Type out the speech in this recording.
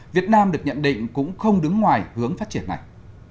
việt nam được nhận định cũng không đứng ngoài hướng phát triển này